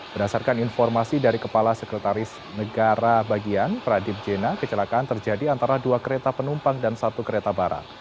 berdasarkan informasi dari kepala sekretaris negara bagian pradip jena kecelakaan terjadi antara dua kereta penumpang dan satu kereta barang